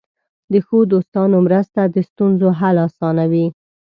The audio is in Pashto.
د ښو دوستانو مرسته د ستونزو حل آسانوي.